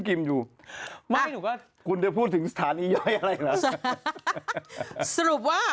กิมอยู่ไม่หนูก็คุณเดี๋ยวพูดถึงสถานอะไรน่ะสรุปว่า